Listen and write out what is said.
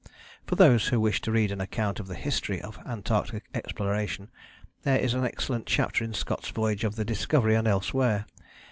For those who wish to read an account of the history of Antarctic exploration there is an excellent chapter in Scott's Voyage of the Discovery and elsewhere.